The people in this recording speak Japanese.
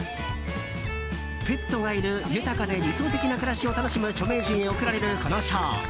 ペットがいる豊かで理想的な暮らしを楽しむ著名人へ贈られるこの賞。